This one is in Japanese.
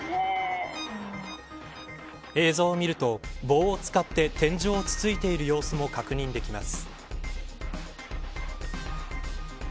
映像を見ると、棒を使って天井を突ついている様子も確認できます。